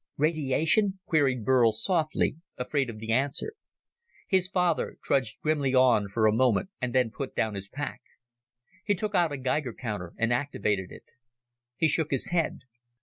"Radiation?" queried Burl softly, afraid of the answer. His father trudged grimly on for a moment, and then put down his pack. He took out a Geiger counter and activated it. He shook his head.